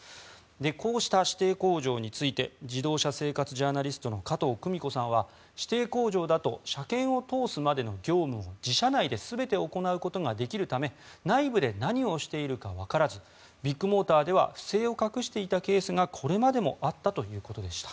こうした指定工場について自動車生活ジャーナリストの加藤久美子さんは指定工場だと車検を通すまでの業務を自社内で全て行うことができるため内部で何をしているかわからずビッグモーターでは不正を隠していたケースがこれまでもあったということでした。